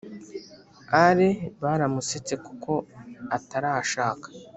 ale baramusetse kuko atarashaka